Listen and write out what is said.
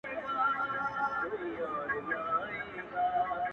تا دي کرلي ثوابونه د عذاب وخت ته ـ